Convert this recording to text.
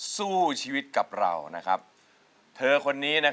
สู้ชีวิตตอนก่อนเราแจกเพลงแรก